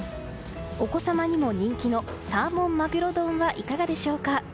お子様にも人気のサーモンまぐろ丼はいかがでしょうか。